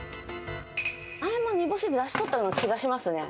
前も煮干しでだしとったような気がしますね。